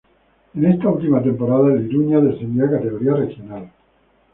En esa última temporada el Iruña descendió a categoría Regional.